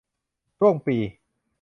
ช่วงปี